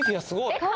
すごい。